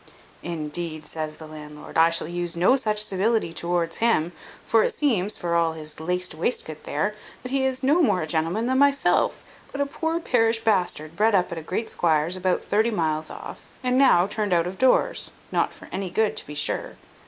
"Indeed," says the landlord, "I shall use no such civility towards him; for it seems, for all his laced waistcoat there, he is no more a gentleman than myself, but a poor parish bastard, bred up at a great squire's about thirty miles off, and now turned out of doors (not for any good to be sure).